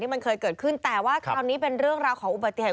มันเคยเกิดขึ้นแต่ว่าคราวนี้เป็นเรื่องราวของอุบัติเหตุ